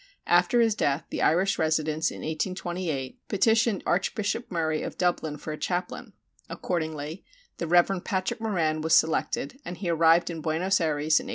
After his death the Irish residents, in 1828, petitioned Archbishop Murray of Dublin for a chaplain. Accordingly the Rev. Patrick Moran was selected, and he arrived in Buenos Ayres in 1829.